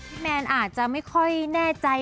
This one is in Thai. แมนอาจจะไม่ค่อยแน่ใจ